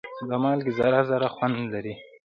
د مالګې ذره ذره خوند لري.